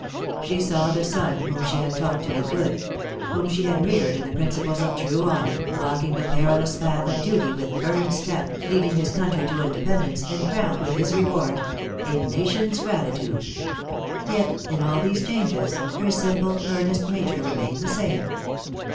She saw the son whom she had taught to be good whom she had reared in the principles of true honor, walking the perilous path of duty with firm step, leading his country to independence, and crowned with his reward a nation's gratitude; yet in all these changes, her simple, earnest nature remained the same.